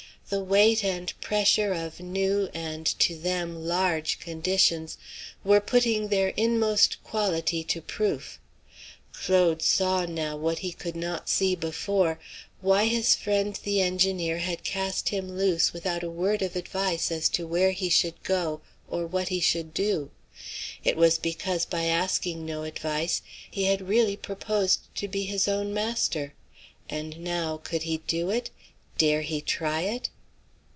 The weight and pressure of new and, to them, large conditions, were putting their inmost quality to proof. Claude saw, now, what he could not see before; why his friend the engineer had cast him loose without a word of advice as to where he should go or what he should do. It was because by asking no advice he had really proposed to be his own master. And now, could he do it? Dare he try it?